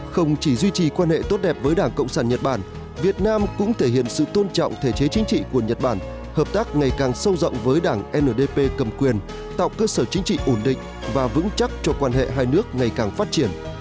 không chỉ duy trì quan hệ tốt đẹp với đảng cộng sản nhật bản việt nam cũng thể hiện sự tôn trọng thể chế chính trị của nhật bản hợp tác ngày càng sâu rộng với đảng ndp cầm quyền tạo cơ sở chính trị ổn định và vững chắc cho quan hệ hai nước ngày càng phát triển